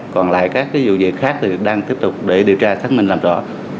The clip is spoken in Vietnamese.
còn lại các vụ việc khác thì đang tiếp tục để điều tra xác minh làm rõ